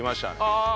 ああ！